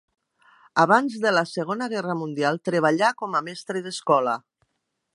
Abans de la Segona Guerra Mundial treballà com a mestre d'escola.